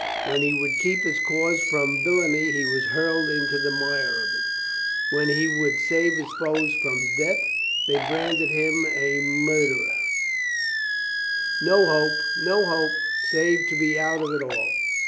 When he would keep his cause from villainy he was hurled into the mire of it. When he would save his foes from death they branded him a mur FRIENDS 391 derer. No hope, no hope, save to be out of it all.